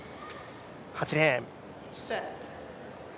８レーン。